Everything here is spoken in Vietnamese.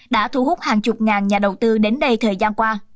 đã thu hút hàng chục ngàn nhà đầu tư đến đây thời gian qua